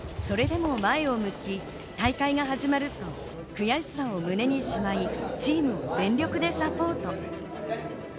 それでも前を向き、大会が始まると悔しさを胸にしまい、チームを全力でサポート。